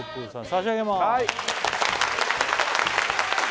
差し上げます！